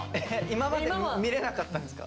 今まで見れなかったんですか？